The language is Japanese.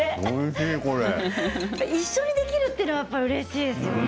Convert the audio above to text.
一緒に出来るというのはうれしいですよね